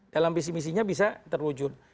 dalam visi misinya bisa terwujud